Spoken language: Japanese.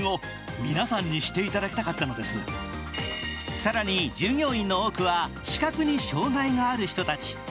更に従業員の多くは視覚に障害がある人たち。